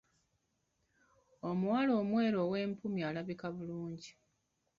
Omuwala omweru ow’empumi alabika bulungi.